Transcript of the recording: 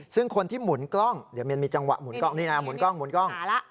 ซึ่งคนที่หมุนกล้องเดี๋ยวมีจังหวะหมุนกล้องนี่นะหมุนกล้อง